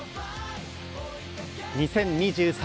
２０２３